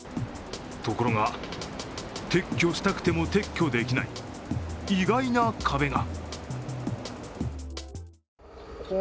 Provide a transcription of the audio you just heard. ところが撤去したくても撤去できない意外な壁が。